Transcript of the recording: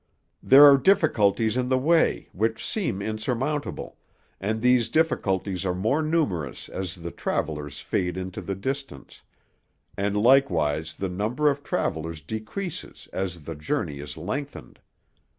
There are difficulties in the way which seem insurmountable, and these difficulties are more numerous as the travellers fade into the distance; and likewise the number of travellers decreases as the journey is lengthened.